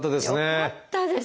よかったですよ。